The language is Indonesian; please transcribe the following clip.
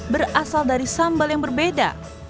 berasal dari sambal yang berbeda